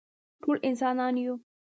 ټول انسانان یو